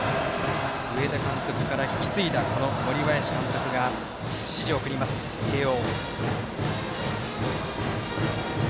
上田監督から引き継いだ森林監督が指示を送ります、慶応。